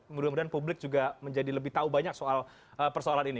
mudah mudahan publik juga menjadi lebih tahu banyak soal persoalan ini